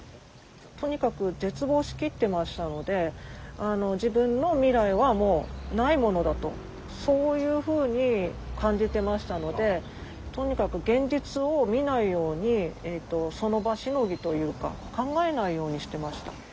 とにかく絶望しきってましたのであの自分の未来はもうないものだとそういうふうに感じてましたのでとにかく現実を見ないようにえっとその場しのぎというか考えないようにしてました。